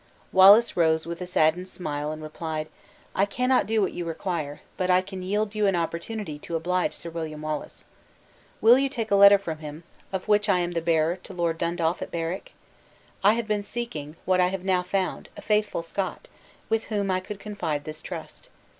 Wallace rose with a saddened smile, and replied: "I cannot do what you require; but I can yield you an opportunity to oblige Sir William Wallace. Will you take a letter from him, of which I am the bearer, to Lord Dundaf at Berwick? I have been seeking, what I have now found, a faithful Scot, with whom I could confide this trust.